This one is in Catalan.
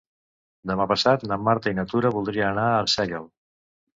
Demà passat na Marta i na Tura voldrien anar a Arsèguel.